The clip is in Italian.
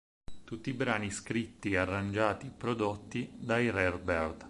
Tutti i brani scritti, arrangiati e prodotti dai Rare Bird.